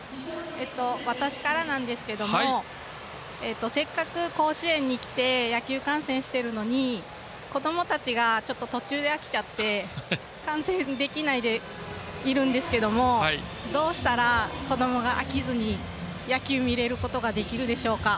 私からなんですけどせっかく、甲子園に来て野球観戦してるのにこどもたちが途中で飽きちゃって観戦できないでいるんですけどどうしたら、こどもが飽きずに野球見ることができるでしょうか。